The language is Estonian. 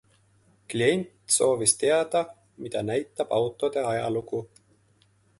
Klient soovis teada, mida näitab autode ajalugu.